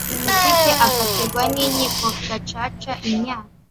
jenoside akatirwa n inkiko gacaca imyaka